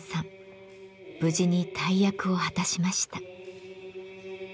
無事に大役を果たしました。